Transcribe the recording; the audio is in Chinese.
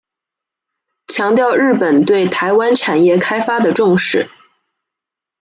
强调日本对台湾产业开发的重视。